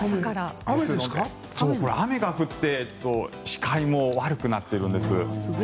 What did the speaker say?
これ、雨が降って視界が悪くなっているんです。